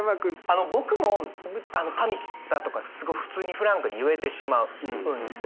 あの僕も「髪切った？」とかすごい普通にフランクに言えてしまうんですよ。